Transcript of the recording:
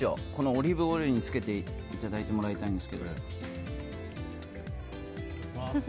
オリーブオイルにつけていただいてもらいたいんですけど。